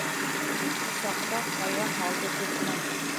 Шул саҡта ҡая һалды «тотмай».